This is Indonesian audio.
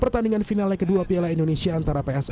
pertandingan final kedua piala indonesia antara psm lawan persija